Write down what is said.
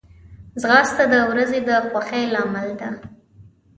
ځغاسته د ورځې د خوښۍ لامل ده